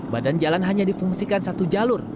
badan jalan hanya difungsikan satu jalur